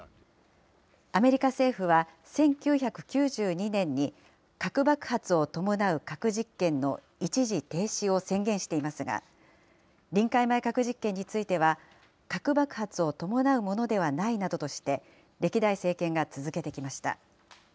アメリカ政府は、１９９２年に核爆発を伴う核実験の一時停止を宣言していますが、臨界前核実験については、核爆発を伴うものではないなどとして、歴代政権が続けてきました。